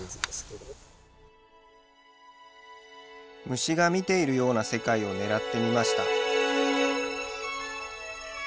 虫が見ているような世界を狙ってみました。